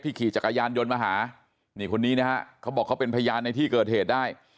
ขี่จักรยานยนต์มาหานี่คนนี้นะฮะเขาบอกเขาเป็นพยานในที่เกิดเหตุได้